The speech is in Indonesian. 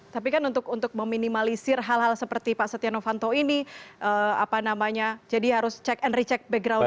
tapi kan untuk meminimalisir hal hal seperti pak setia novanto ini apa namanya jadi harus check and recheck background